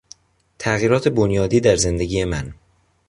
تغییرات بنیادی در زندگی من